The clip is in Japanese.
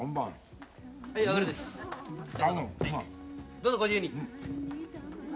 どうぞご自由に。